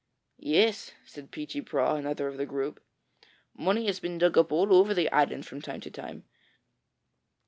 'Yes,' said Peechy Prauw, another of the group. 'Money has been dug up all over the island from time to time.